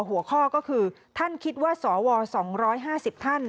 หัวข้อก็คือท่านคิดว่าสว๒๕๐ท่าน